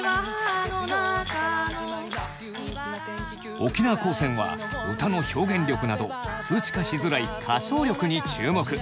沖縄高専は歌の表現力など数値化しづらい歌唱力に注目。